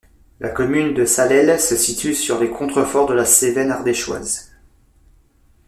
La commune des Salelles se situe sur les contreforts de la Cévenne ardéchoise.